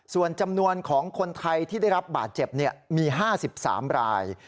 ส่วนจำนวนของคนไทยที่ได้รับบาดเจ็บมี๕๓ราย